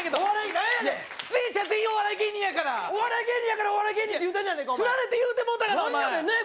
何やねん出演者全員お笑い芸人やからお笑い芸人やからお笑い芸人って言うたのやないかつられて言うてもうたがな何やねんねえ